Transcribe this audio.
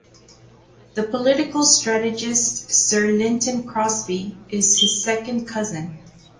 The political strategist Sir Lynton Crosby is his second cousin.